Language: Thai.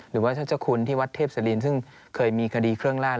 หรือว่าท่านเจ้าคุณที่วัดเทพศิรินซึ่งเคยมีคดีเครื่องราช